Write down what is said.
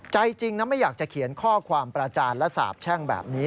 ใจจริงนะไม่อยากจะเขียนข้อความประจานและสาบแช่งแบบนี้